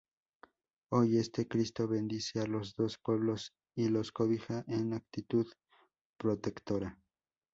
Hoy, este Cristo bendice a los dos pueblos y los cobija en actitud protectora.